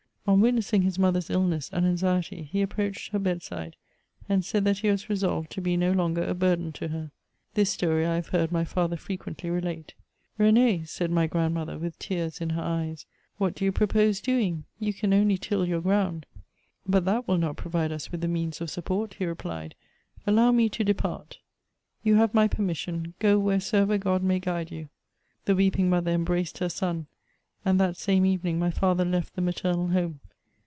On witnessing his mother's illness and anxiety, he approached her bedside, and said that he was resolved to be no longer a burthen to her. This story I have heard my father frequently relate. Ren^," said my grandmother, with tears in her eyes, ''what do you propose doing ? You can only till your ground "" But that will not provide us with the means of support," he replied ;" allow me to depart." " You have my permission. Go wheresoever God may guide you." The weeping mother embraced her son, and that same evening my father left the maternal home.